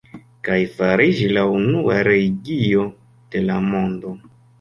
Kaj fariĝi la unua religio de la mondo.